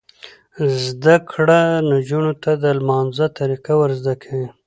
زده کړه نجونو ته د لمانځه طریقه ور زده کوي.